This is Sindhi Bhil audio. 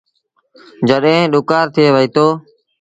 جڏهيݩ ڏُڪآر ٿئي وهيٚتو۔